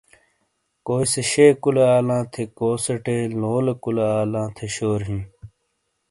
۔کوئ سے شے کُولے آلاں تھی ،کوسے ٹے لولے کولے آلاں تھے شور ہیں۔